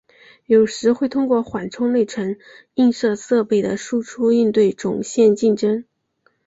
有时会通过缓冲内存映射设备的输出应对总线竞争。